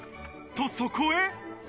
とそこへ。